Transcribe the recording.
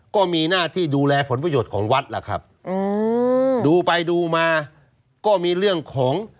ก็มีหน้าที่ดูแลผลประโยชน์ของวัดล่ะครับอืมดูไปดูมาก็มีเรื่องของ